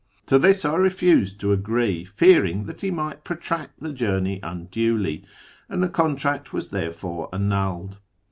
To this I refused to agree, fearing that he might protract the journey unduly, and the contract was therefore annulled.